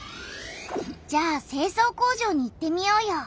じゃあ清掃工場に行ってみようよ。